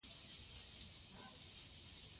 غزني د افغانستان په طبیعت کې مهم رول لري.